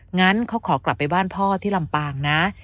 งั้นเขาขอกลับไปบ้านพ่อที่ลำปางนะ